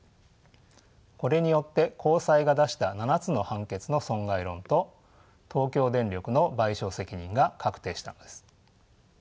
これによって高裁が出した７つの判決の損害論と東京電力の賠償責任が確定したのです。